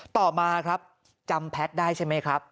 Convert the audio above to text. ต่อมาครับจำแพทย์ได้ใช่ไหมครับ